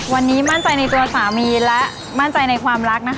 วันนี้มั่นใจในตัวสามีและมั่นใจในความรักนะคะ